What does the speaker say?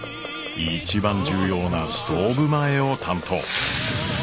一番重要なストーブ前を担当。